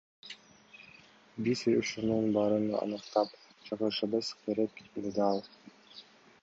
Биз ушунун баарын аныктап чыгышыбыз керек, — деди ал.